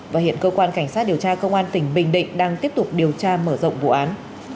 và hiện cơ quan cảnh sát điều tra công an tỉnh bình định đang tiếp tục điều tra mở rộng vụ án